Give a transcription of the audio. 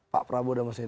pak prabowo dan mas andri